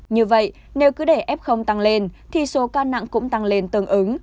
như vậy nếu cứ để f tăng lên thì số ca nặng cũng tăng lên tương ứng